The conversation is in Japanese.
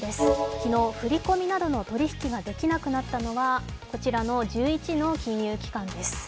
昨日、振り込みなどの取り引きができなくなったのはこちらの１１の金融機関です。